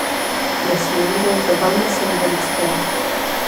Myslím, že je to velmi symbolické.